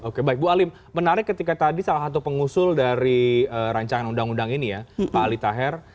oke baik bu alim menarik ketika tadi salah satu pengusul dari rancangan undang undang ini ya pak ali taher